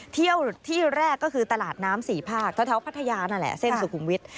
เที่ยวที่แรกก็คือตลาดน้ำสี่ภาคแถวพัทยานั่นแหละเส้นสุขุมวิทย์